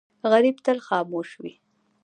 غریب تل خاموش وي